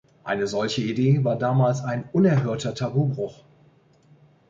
Eine solche Idee war damals ein unerhörter Tabubruch.